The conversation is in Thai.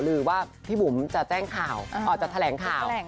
คุณผู้ชมค่ะคุณผู้ชมค่ะ